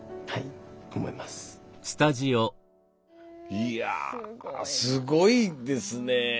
いやぁすごいですねぇ。